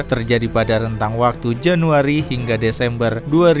terjadi pada rentang waktu januari hingga desember dua ribu dua puluh